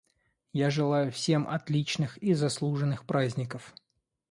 Я желаю всем отличных и заслуженных праздников.